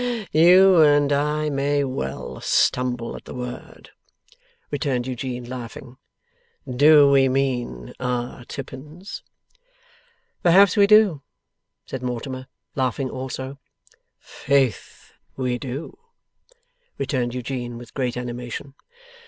You and I may well stumble at the word,' returned Eugene, laughing. 'Do we mean our Tippins?' 'Perhaps we do,' said Mortimer, laughing also. 'Faith, we DO!' returned Eugene, with great animation.